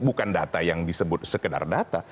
bukan data yang disebut sekedar data